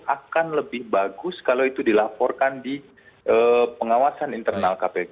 akan lebih bagus kalau itu dilaporkan di pengawasan internal kpk